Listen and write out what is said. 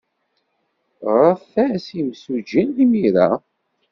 Ɣret-as i yimsujji imir-a.